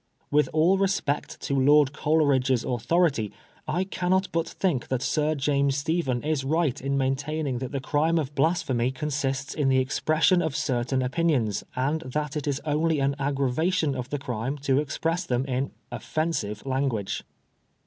With all respect to Lord Coleridge's authority, I cannot but think that Sir James Stephen is right in maintaining that the crime of blasphemy consists in the expression of certain opinions, and that it is only ■an aggravation of the crime to express them in "offensive" language.